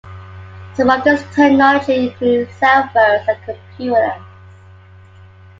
Some of this technology includes cell phones and computers.